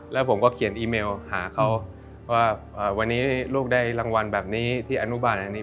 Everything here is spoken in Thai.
แล้วผมก็เขียนอีเมลหาเขาว่าวันนี้ลูกได้รางวัลแบบนี้ที่อนุบาลอันนี้